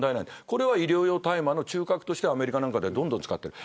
これは医療用大麻の中核としてアメリカなんかではどんどん使っている。